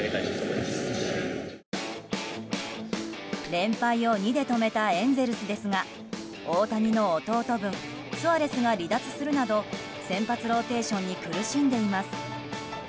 連敗を２で止めたエンゼルスですが大谷の弟分スアレスが離脱するなど先発ローテーションに苦しんでいます。